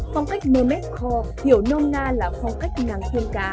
phong cách mermez core hiểu nôm na là phong cách nàng thuyền cá